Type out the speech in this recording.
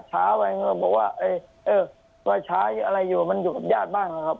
ช้าวันอาทิตย์บอกว่าเอ่อวันช้าอะไรอยู่มันอยู่กับญาติบ้างอ่ะครับ